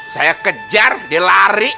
saya kejar dia lari